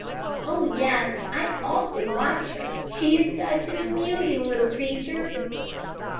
"Oh, yes; I often watched her. She is such an amusing little creature."